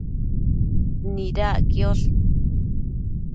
Nidac quiosh